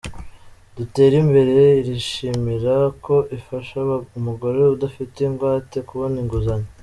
Duterimbere irishimira ko ifasha umugore udafite ingwate kubona inguzanyo